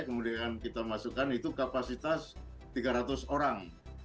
kemudian kita masukkan itu kapasitas tiga ratus orang